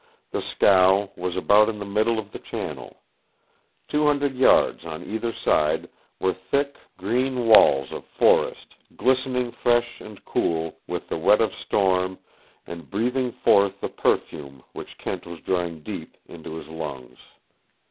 The scow was about in the middle of the channel. Two hundred yards on either side were thick green walls of forest glistening fresh and cool with the wet of storm and breathing forth the perfume which Kent was drawing deep into his lungs.